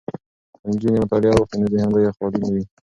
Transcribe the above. که نجونې مطالعه وکړي نو ذهن به یې خالي نه وي.